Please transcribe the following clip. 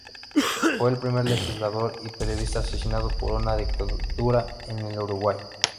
Fue el primer legislador y periodista asesinado por una dictadura en el Uruguay.